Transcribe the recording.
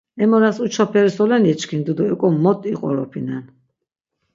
Em oras uça peri solen yeçkindu do eko mot iqoropinen?